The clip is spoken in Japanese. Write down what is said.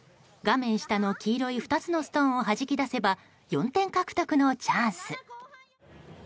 画面下の黄色い２つのストーンをはじき出せば４点獲得のチャンス。